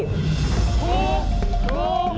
ถูก